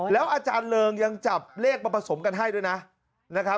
แล้วอาจารย์เริงยังจับเลขประคุมกันให้ด้วยนะ